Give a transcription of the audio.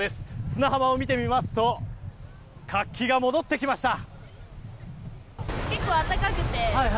砂浜を見てみますと活気が戻ってきました。